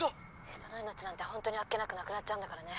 「人の命なんて本当にあっけなくなくなっちゃうんだからね」